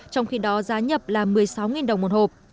trong khi đó giá nhập là một mươi sáu đồng một hộp